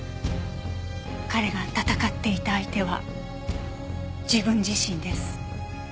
彼が戦っていた相手は自分自身です。